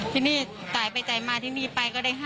ทีนี้จ่ายไปจ่ายมาที่นี่ไปก็ได้๕๐